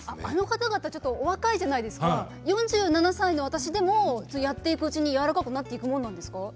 あの方々、お若いじゃないですか４７歳の私でもやっていくうちにやわらかくなっていくんですか？